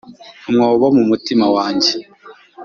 umwobo mu mutima wanjye